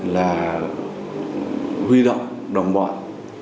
là huy động đồng bọn